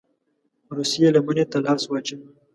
روسيې لمني ته لاس واچوي.